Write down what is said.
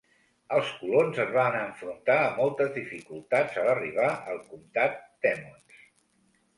Els colons es van enfrontar a moltes dificultats a l'arribar al comtat d'Emmons.